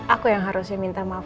aku yang harusnya minta maaf